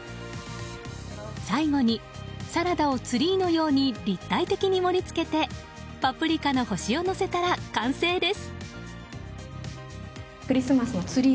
最後にサラダをツリーのように立体的に盛り付けてパプリカの星をのせたら完成です。